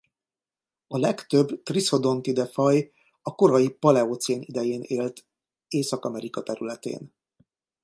A legtöbb Triisodontidae-faj a korai paleocén idején élt Észak-Amerika területén.